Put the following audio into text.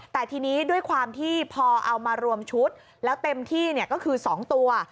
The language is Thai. แต่ทีนี้ด้วยความที่พอเอามารวมชุดแล้วเต็มที่ก็คือ๒ตัว